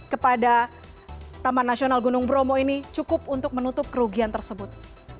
kepada taman nasional gunung bromo ini cukup untuk menutup kerugian tersebut